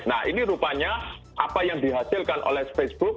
nah ini rupanya apa yang dihasilkan oleh facebook